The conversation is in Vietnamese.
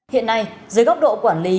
hiện nay dưới góc độ quản lý